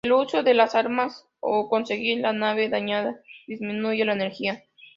El uso de las armas o conseguir la nave dañada disminuye la energía.